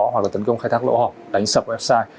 hoặc là tấn công khai thác lỗ hỏng đánh sập website